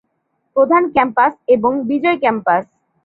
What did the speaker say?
প্রধান ক্যাম্পাস এবং বিজয় ক্যাম্পাস।